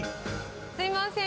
すみません。